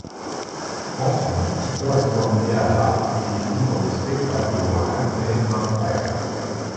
Enfant, Tipper est formée à la et joue dans des spectacles au Hackney Empire.